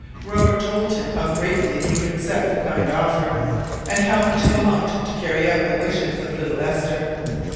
Robert told him how gratefully he would accept the kind offer, and how much he longed to carry out the wishes of little Esther.